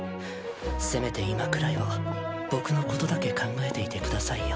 せめて今くらいは僕のことだけ考えていてくださいよ。